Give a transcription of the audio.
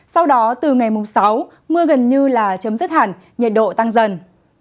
sau đó từ ngày mùng sáu mưa gần như là chấm dứt hẳn nhiệt độ tăng dần